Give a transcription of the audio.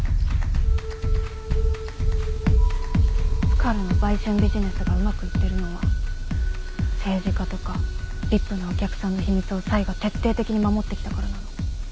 スカルの売春ビジネスがうまくいってるのは政治家とかＶＩＰなお客さんの秘密をサイが徹底的に守ってきたからなの。